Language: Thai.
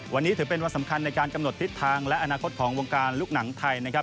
วันนี้ถือเป็นวันสำคัญในการกำหนดทิศทางและอนาคตของวงการลูกหนังไทยนะครับ